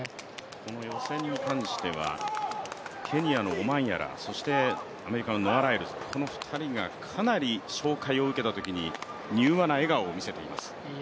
この予選に関しては、ケニアのオマンヤラ、そしてアメリカのノア・ライルズ、この２人がかなり紹介を受けたときに、柔和な笑顔を見せています。